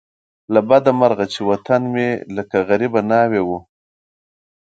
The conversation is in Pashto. له بده مرغه چې وطن مې لکه غریبه ناوې وو.